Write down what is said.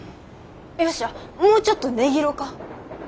よっしゃもうちょっと値切ろか。